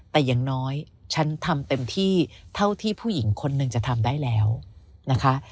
แต่อย่างน้อยฉันทำเต็มที่เท่าที่ผู้หญิงคนหนึ่งจะทำได้แล้วนะคะ